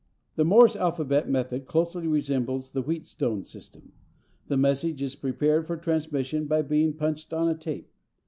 _] The Morse alphabet method closely resembles the Wheatstone system. The message is prepared for transmission by being punched on a tape.